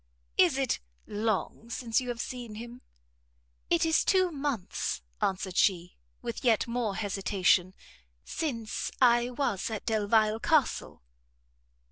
"Is it long since you have seen him?" "It is two months," answered she, with yet more hesitation, "since I was at Delvile Castle."